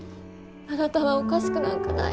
あなたはおかしくなんかない。